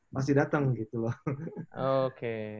masih datang gitu loh oke